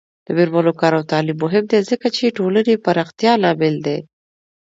د میرمنو کار او تعلیم مهم دی ځکه چې ټولنې پراختیا لامل دی.